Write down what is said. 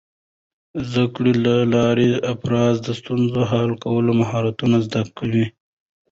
د زده کړې له لارې، افراد د ستونزو حل کولو مهارتونه زده کوي.